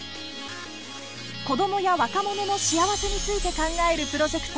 子どもや若者の幸せについて考えるプロジェクト